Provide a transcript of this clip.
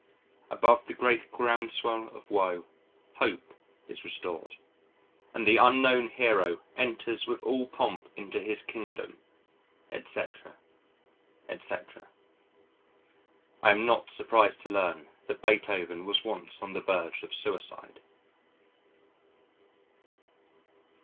Above the great groundswell of woe, Hope is restored and the Unknown Hero enters with all pomp into his Kingdom, etc., etc. I am not surprised to learn that Beethoven was once on the verge of suicide.